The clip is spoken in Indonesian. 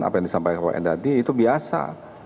apa yang disampaikan tadi itu biasa